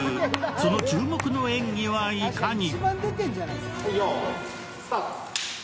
その注目の演技はいかに？